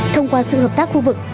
thông qua sự hợp tác khu vực